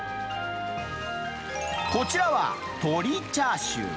こちらは鶏チャーシュー。